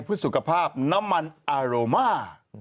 ผู้สุขภาพน้ำมันอารูม่า